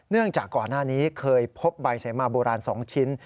จากก่อนหน้านี้เคยพบใบเสมาโบราณ๒ชิ้น